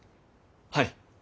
はい。